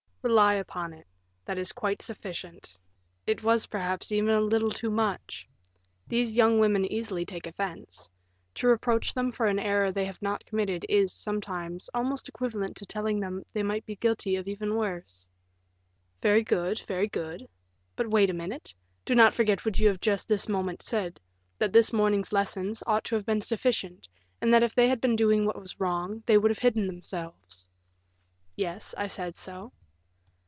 "Rely upon it, that is quite sufficient; it was, perhaps, even a little too much. These young women easily take offense. To reproach them for an error they have not committed is, sometimes, almost equivalent to telling them they might be guilty of even worse." "Very good, very good; but wait a minute. Do not forget what you have just this moment said, that this morning's lesson ought to have been sufficient, and that if they had been doing what was wrong, they would have hidden themselves." "Yes, I said so."